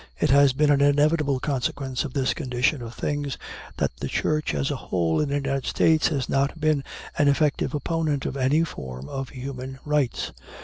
It has been an inevitable consequence of this condition of things that the Church, as a whole, in the United States has not been an effective opponent of any form of human rights.